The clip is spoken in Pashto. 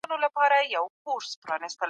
مشاهده د علمي څېړنې لاره ده.